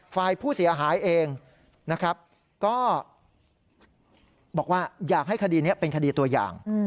ฝ่ายผู้เสียหายเองนะครับก็บอกว่าอยากให้คดีนี้เป็นคดีตัวอย่าง